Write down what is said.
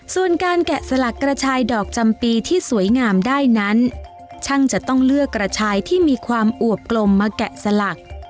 ส่วนการแกะสลักกระชายดอกจำปีที่สวยงามได้นั้นช่างจะต้องเลือกกระชายที่มีความอวบกลมมาแกะสลัก